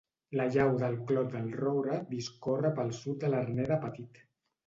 La llau del Clot del Roure discorre pel sud de l'Arner de Petit.